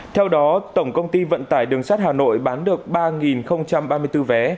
theo đó tổng công ty vận tải đường sắt hà nội bán được ba ba mươi bốn vé